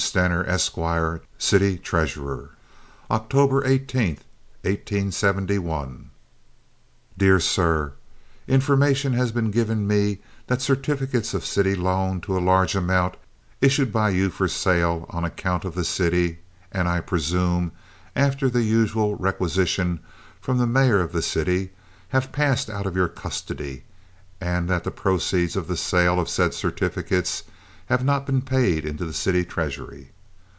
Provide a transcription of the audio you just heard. STENER, ESQ., October 18, 1871. City Treasurer. DEAR SIR,—Information has been given me that certificates of city loan to a large amount, issued by you for sale on account of the city, and, I presume, after the usual requisition from the mayor of the city, have passed out of your custody, and that the proceeds of the sale of said certificates have not been paid into the city treasury.